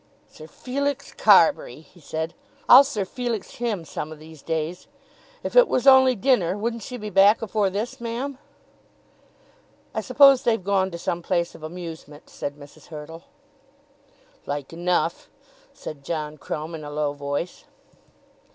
"Sir Felix Carbury!" he said. "I'll Sir Felix him some of these days. If it was only dinner, wouldn't she be back afore this, ma'am?" "I suppose they've gone to some place of amusement," said Mrs. Hurtle. "Like enough," said John Crumb in a low voice.